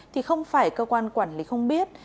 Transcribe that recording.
thì không phải cơ quan quản lý không biết